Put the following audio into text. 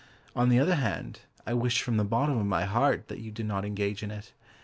On the other hand, I wish from the bottom of my heart That you did not engage in it.